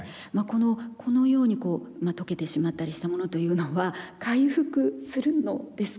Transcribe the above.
このようにこう溶けてしまったりしたものというのは回復するのですか？